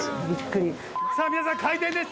さあ皆さん開店です。